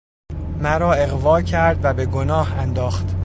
مرا اغوا کرد و به گناه انداخت